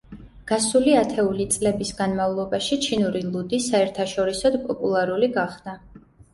გასული ათეული წლების განმავლობაში ჩინური ლუდი საერთაშორისოდ პოპულარული გახდა.